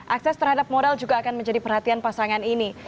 akses terhadap modal juga akan menjadi perhatian pasangan ini